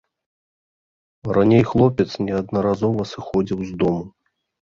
Раней хлопец неаднаразова сыходзіў з дому.